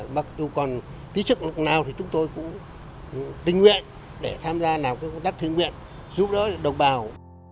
mặc dù còn kỹ chức nào thì chúng tôi cũng tình nguyện để tham gia làm cái công tác tình nguyện giúp đỡ đồng bào